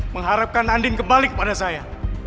mengharapkan andin kebalik pada saya